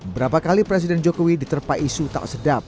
berapa kali presiden jokowi diterpa isu tak sedap